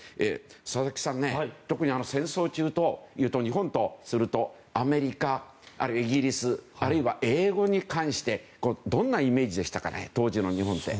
佐々木さん、特に戦争中というと日本とするとアメリカ、あるいはイギリスあるいは英語に関してどんなイメージでしたかね当時の日本って。